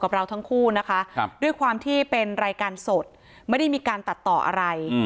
เราทั้งคู่นะคะด้วยความที่เป็นรายการสดไม่ได้มีการตัดต่ออะไร